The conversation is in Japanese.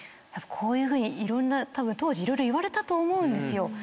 こういうふうにたぶん当時色々言われたと思うんですよ。